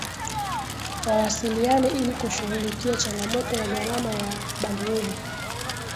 Wawasiliane ili kushughulikia changamoto ya gharama ya Bandwidth